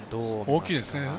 大きいですね。